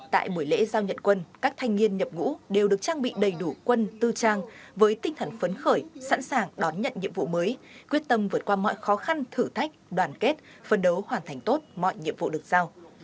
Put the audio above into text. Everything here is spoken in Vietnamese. tại buổi lễ giao nhận quân các thanh niên nhập ngũ đều được trang bị đầy đủ quân tư trang với tinh thần phấn khởi sẵn sàng đón nhận nhiệm vụ mới quyết tâm vượt qua mọi khó khăn thử thách đoàn kết phân đấu hoàn thành tốt mọi nhiệm vụ được giao